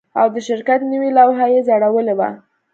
او د شرکت نوې لوحه یې ځړولې وه